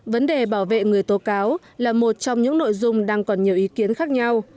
vấn đề bảo vệ người tố cáo là một trong những nội dung đang còn nhiều ý kiến khác nhau